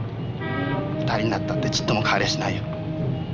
２人になったってちっとも変わりゃしないよ。